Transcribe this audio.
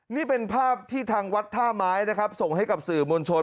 นี่เป็นภาพที่ทางวัดท่าไม้ส่งให้กับสื่อมนต์ชน